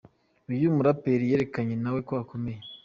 Uyu muraperi yerekanye nawe ko akomeye.